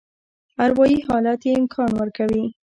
اروایي حالت یې امکان ورکوي.